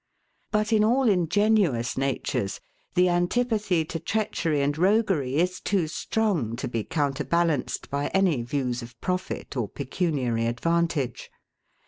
But in all ingenuous natures, the antipathy to treachery and roguery is too strong to be counter balanced by any views of profit or pecuniary advantage.